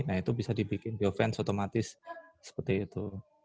nah itu bisa dibikin defense otomatis seperti itu